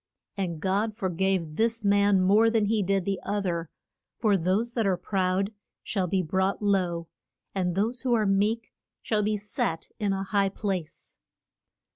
And God for gave this man more than he did the oth er, for those that are proud shall be brought low, and those who are meek shall be set in a high place.